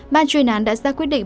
bàn truyền án đã ra quyết định